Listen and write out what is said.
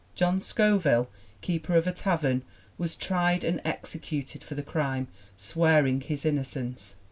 John Scoville, keeper of a tavern, was tried and executed for the crime, swearing his innocence.